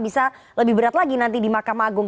bisa lebih berat lagi nanti di mahkamah agung